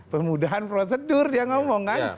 kemudahan prosedur dia ngomong kan